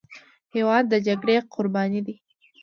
هېواد د جګړې قرباني دی.